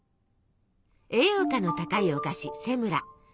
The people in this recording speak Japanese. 栄養価の高いお菓子セムラ。